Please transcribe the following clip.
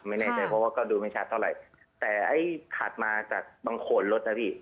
ไม่แน่ใจเพราะว่าก็ดูไม่ชัดเท่าไหร่แต่ไอ้ขัดมาจากบางคนรถนะพี่